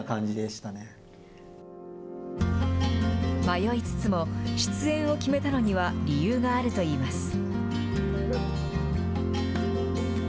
迷いつつも、出演を決めたのには、理由があるといいます。